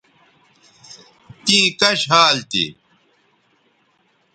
تیں کش حال تھی